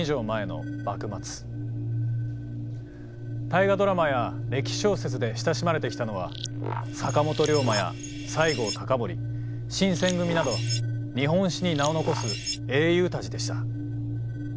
「大河ドラマ」や歴史小説で親しまれてきたのは坂本龍馬や西郷隆盛新選組など日本史に名を残す英雄たちでした。